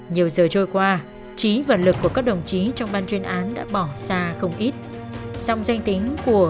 nhiều giờ trôi qua trí và lực của các đồng chí trong ban chuyên án đã bỏ xa không ít song danh tính của kẻ thù ác vẫn chìm